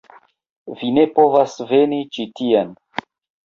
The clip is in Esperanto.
Vi ne povas veni ĉi tien.